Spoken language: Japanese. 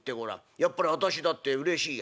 やっぱり私だってうれしいや。